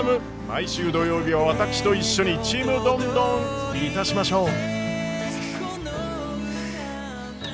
毎週土曜日は私と一緒に「ちむどんどん」いたしましょう！